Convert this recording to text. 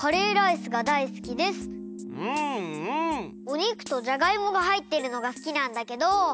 おにくとじゃがいもがはいっているのがすきなんだけど。